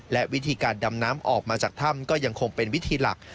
และวิธีการดำน้ำออกมาจากถ้ำก็ยังคงเป็นวิธีหลัก